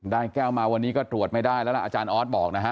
แก้วมาวันนี้ก็ตรวจไม่ได้แล้วล่ะอาจารย์ออสบอกนะฮะ